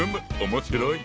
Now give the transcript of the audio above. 面白い！